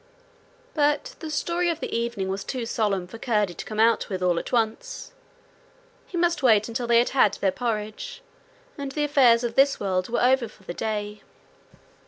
But the story of the evening was too solemn for Curdie to come out with all at once. He must wait until they had had their porridge, and the affairs of this world were over for the day.